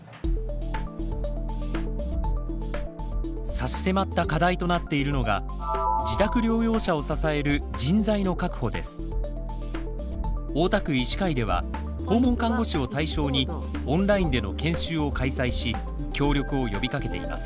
差し迫った課題となっているのが大田区医師会では訪問看護師を対象にオンラインでの研修を開催し協力を呼びかけています。